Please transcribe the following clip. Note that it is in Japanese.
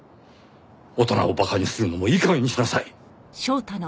大人を馬鹿にするのもいい加減にしなさい！